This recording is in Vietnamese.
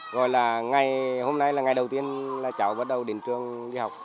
rồi là ngày hôm nay là ngày đầu tiên là cháu bắt đầu đến trường đi học